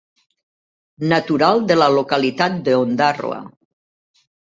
Natural de la localitat d'Ondarroa.